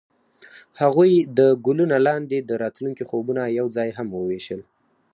هغوی د ګلونه لاندې د راتلونکي خوبونه یوځای هم وویشل.